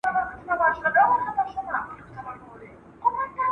سامي ژبو په مجله کي خپور سو، په یوه برخه کي دغه عبارت